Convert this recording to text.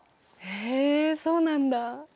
へえそうなんだ。